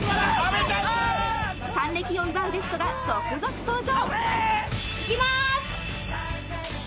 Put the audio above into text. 還暦を祝うゲストが続々登場！